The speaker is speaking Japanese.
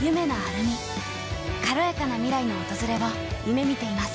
軽やかな未来の訪れを夢みています。